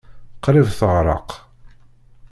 Qrib teɣreq.